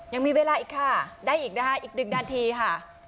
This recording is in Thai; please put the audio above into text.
ยังมีเวลาอีกค่ะได้อีกนะคะอีกหนึ่งนาทีค่ะ